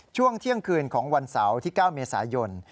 ช่วงเที่ยงคืนของวันเสาร์ที่๙เมษายน